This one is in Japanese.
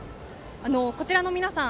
こちらの皆さん